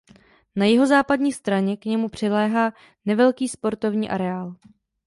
Na jihozápadní straně k němu přiléhá nevelký sportovní areál.